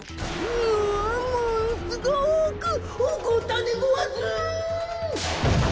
ものすごくおこったでごわす！